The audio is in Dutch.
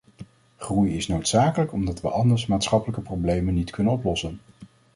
Groei is noodzakelijk omdat we anders de maatschappelijke problemen niet kunnen oplossen.